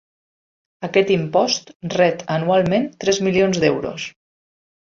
Aquest impost ret anualment tres milions d'euros.